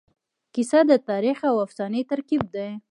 کیسه د تاریخ او افسانې ترکیب دی.